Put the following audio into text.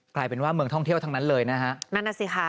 กลายเป็นว่าเมืองท่องเที่ยวทั้งนั้นเลยนะฮะ